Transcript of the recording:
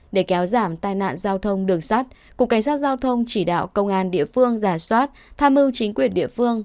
để kéo giảm tai nạn giao thông đường sát cục cảnh sát giao thông chỉ đạo công an địa phương giả soát tham mưu chính quyền địa phương